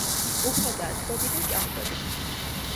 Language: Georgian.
უხვადაა ტბები და ჭაობები.